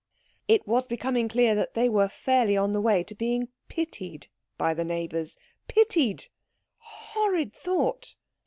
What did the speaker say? It was becoming clear that they were fairly on the way to being pitied by the neighbours. Pitied! Horrid thought.